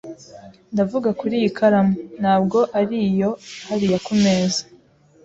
Ndavuga kuri iyi karamu, ntabwo ari iyo hariya ku meza.